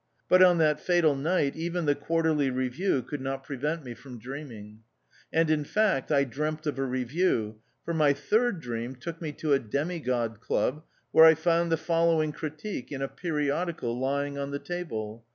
But on that fatal night, even the Quarterly Review could not prevent me from dreaming ; and, in fact, I dreamt of a review, for my third dream took me to a Demigod club where I found the following critique in a periodical lying on the table.